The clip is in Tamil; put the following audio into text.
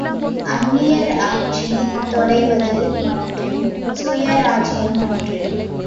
அந்நியர் ஆட்சி தொலைவது மட்டும் சுயராஜ்யம் அன்று.